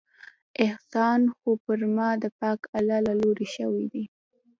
احسان خو پر ما د پاک الله له لورې شوى دى.